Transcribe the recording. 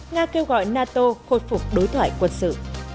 nga kêu gọi nato khôi phục đối thoại quân sự